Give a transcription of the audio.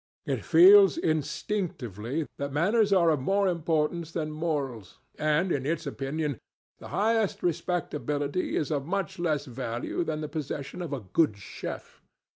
It feels instinctively that manners are of more importance than morals, and, in its opinion, the highest respectability is of much less value than the possession of a good chef.